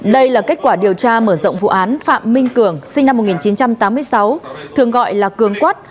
đây là kết quả điều tra mở rộng vụ án phạm minh cường sinh năm một nghìn chín trăm tám mươi sáu thường gọi là cường quất